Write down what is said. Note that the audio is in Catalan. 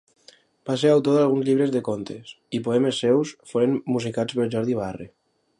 Va ser autor d'alguns llibres de contes, i poemes seus foren musicats per Jordi Barre.